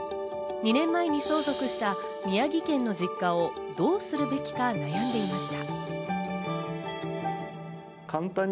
２年前に相続した宮城県の実家をどうするべきか悩んでいました。